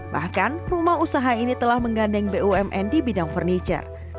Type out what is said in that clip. bahkan rumah usaha ini telah menggandeng bumn di bidang furniture